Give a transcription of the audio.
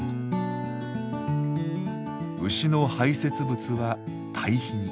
牛の排せつ物は堆肥に。